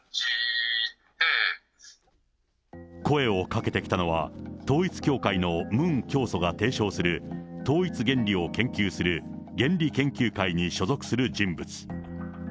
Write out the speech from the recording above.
声をかけてきたのは、統一教会のムン教祖が提唱する統一原理を研究する原理研究会に所属する人物。